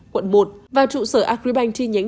quận một và trụ sở agribank chi nhánh